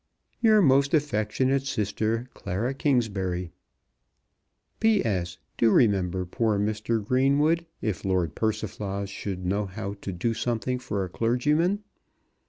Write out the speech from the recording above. Your most affectionate sister, CLARA KINGSBURY. P.S. Do remember poor Mr. Greenwood if Lord Persiflage should know how to do something for a clergyman.